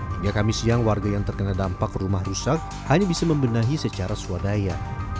hingga kamis siang warga yang terkena dampak rumah rusak hanya bisa membenahi secara swadaya